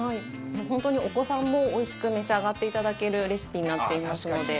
本当にお子さんもおいしく召し上がっていただけるレシピになっていますので。